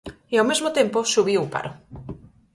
E ao mesmo tempo subiu o paro.